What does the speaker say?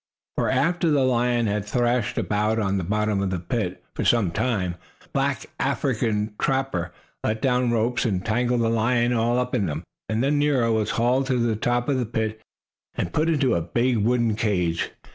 For, after the lion had thrashed about on the bottom of the pit for some time, the black African trapper let down ropes and tangled the lion all up in them. Then Nero was hauled to the top of the pit and put into a big wooden cage.